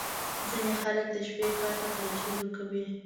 • ځینې خلک د شپې کار ته ترجیح ورکوي.